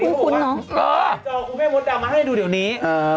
จอคุณแม่มดดำมาให้ดูเดี๋ยวนี้